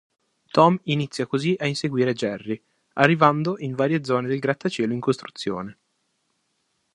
Tom inizia così a inseguire Jerry, arrivando in varie zone del grattacielo in costruzione.